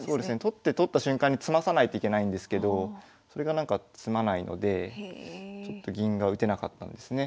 取って取った瞬間に詰まさないといけないんですけどそれがなんか詰まないのでちょっと銀が打てなかったんですね。